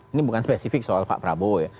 ini bukan spesifik soal pak prabowo ya